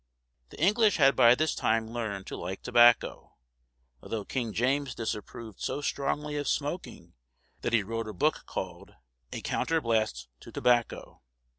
The English had by this time learned to like tobacco, although King James disapproved so strongly of smoking that he wrote a book called "A Counterblast to Tobacco."